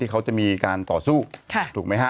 เขาจะมีการต่อสู้ถูกไหมฮะ